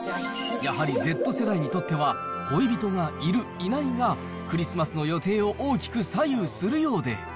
やはりＺ世代にとっては恋人がいる、いないがクリスマスの予定を大きく左右するようで。